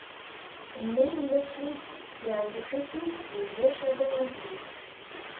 In many industries there is a Christmas - New Year shutdown of business.